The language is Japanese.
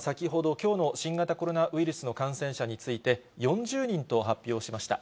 きょうの新型コロナウイルスの感染者について、４０人と発表しました。